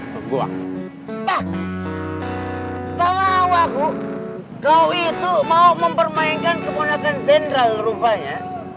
pak kalau aku kau itu mau mempermainkan kebonetan sendral rupanya